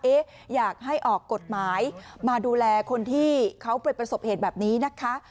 อยากให้ออกกฎหมายมาดูแลคนที่เขาไปประสบเหตุแบบนี้นะคะ